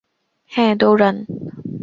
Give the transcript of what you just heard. হ্যাঁ, দৌঁড়ান।